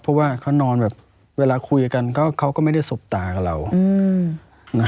เพราะว่าเขานอนแบบเวลาคุยกันเขาก็ไม่ได้สบตากับเรา